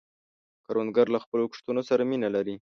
کروندګر له خپلو کښتونو سره مینه لري